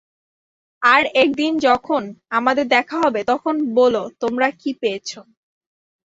আর একদিন, যখন আমাদের দেখা হবে, তখন বোলো তোমরা কী পেয়েছ।